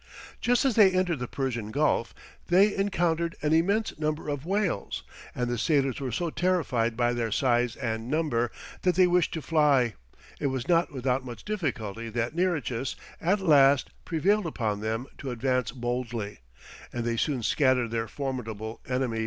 Just as they entered the Persian Gulf they encountered an immense number of whales, and the sailors were so terrified by their size and number, that they wished to fly; it was not without much difficulty that Nearchus at last prevailed upon them to advance boldly, and they soon scattered their formidable enemies.